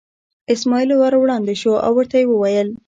اسماعیل ور وړاندې شو او ورته یې وویل.